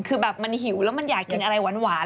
คือแบบมันหิวแล้วมันอยากกินอะไรหวาน